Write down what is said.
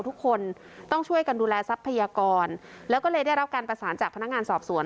ทุกคนต้องช่วยกันดูแลทรัพยากรแล้วก็เลยได้รับการประสานจากพนักงานสอบสวน